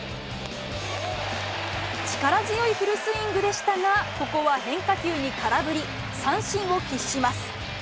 力強いフルスイングでしたが、ここは変化球に空振り、三振を喫します。